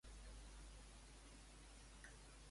Quin és el partit polític que governa en funcions a Espanya?